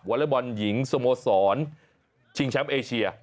อเล็กบอลหญิงสโมสรชิงแชมป์เอเชีย